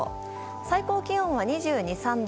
最高気温は２２２３度。